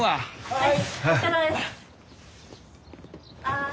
はい！